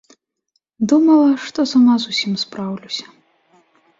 Думала, што сама з усім спраўлюся.